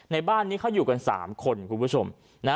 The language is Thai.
ในบ้านนี้เขาอยู่กัน๓คน